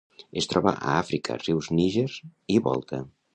Es troba a Àfrica: rius Níger i Volta.